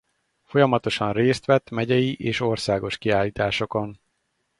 Folyamatosan részt vett megyei és országos kiállításokon.